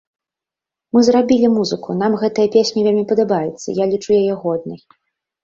Мы зрабілі музыку, нам гэтая песня вельмі падабаецца, я лічу яе годнай.